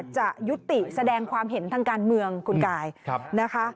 จะยุติแสดงความเห็นทางการเมืองคุณกายนะคะ